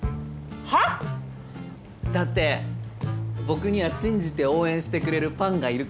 は？だって僕には信じて応援してくれるファンがいるから。